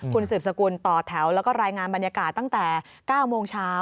คุณสืบสกุลต่อแถวแล้วก็รายงานบรรยากาศตั้งแต่๙โมงเช้า